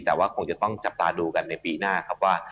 แต่ว่าคงจะต้องจับตาดูกันในปีหน้าครับว่า